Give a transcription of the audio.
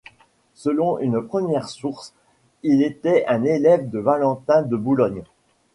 Selon une première source, il était un élève de Valentin de Boulogne.